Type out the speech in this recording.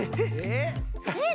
えっ？